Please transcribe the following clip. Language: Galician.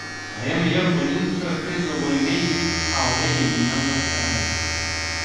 -Faría mellor poñéndose aos pés do boriñeille á orella inclinándome cara a ela.